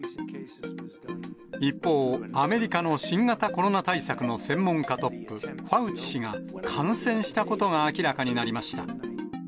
一方、アメリカの新型コロナ対策の専門家トップ、ファウチ氏が感染したことが明らかになりました。